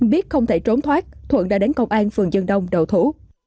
biết không thể trốn thoát thuận đã đến công an phường dân đông đậu thủ